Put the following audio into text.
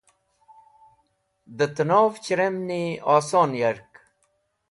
Dẽ tẽnov chẽremni oson yak.